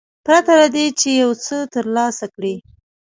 پرته له دې چې یو څه ترلاسه کړي.